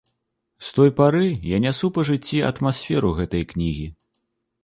З той пары я нясу па жыцці атмасферу гэтай кнігі.